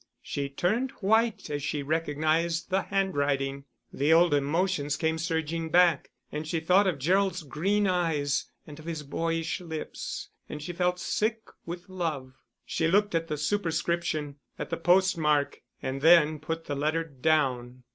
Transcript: She turned white as she recognised the handwriting: the old emotions came surging back, and she thought of Gerald's green eyes, and of his boyish lips; and she felt sick with love. She looked at the superscription, at the post mark; and then put the letter down.